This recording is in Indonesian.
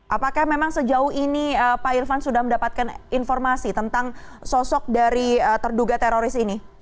apakah memang sejauh ini pak irfan sudah mendapatkan informasi tentang sosok dari terduga teroris ini